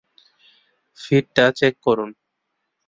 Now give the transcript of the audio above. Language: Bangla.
ফিডটা চেক করুন!